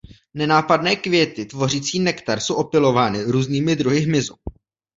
Nenápadné květy tvořící nektar jsou opylovány různými druhy hmyzu.